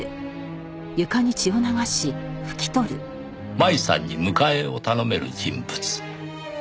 麻衣さんに迎えを頼める人物。